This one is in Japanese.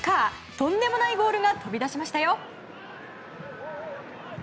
とんでもないゴールが飛び出しましたよ。